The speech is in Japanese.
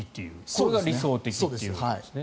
これが理想的ということですね。